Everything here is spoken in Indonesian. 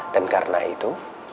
dan karena itu